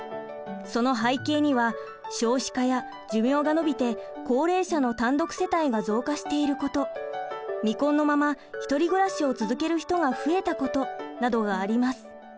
その背景には少子化や寿命が延びて高齢者の単独世帯が増加していること未婚のまま１人暮らしを続ける人が増えたことなどがあります。